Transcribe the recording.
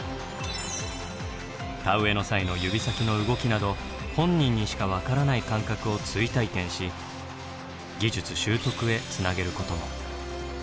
田植えの際の指先の動きなど本人にしか分からない感覚を追体験し技術習得へつなげることも。